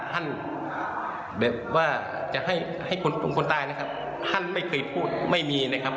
ท่านแบบว่าจะให้ให้คนกลุ่มคนตายนะครับท่านไม่เคยพูดไม่มีนะครับ